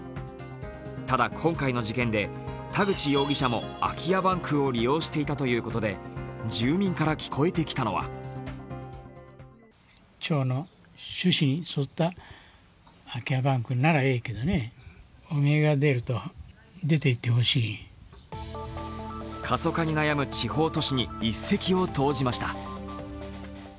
ただ、今回の事件で田口容疑者も空き家バンクを利用していたということで、住民から聞こえてきたのは過疎化に悩む地方都市に一石を投じました。